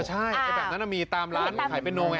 ใช่แบบนั้นมีตามร้านขายเป็นนงไง